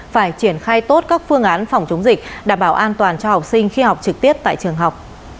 phải triển khai tốt các phương án phòng chống dịch đảm bảo an toàn cho học sinh khi học trực tiếp tại trường học